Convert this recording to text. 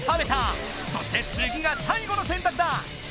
そしてつぎが最後の選択だ。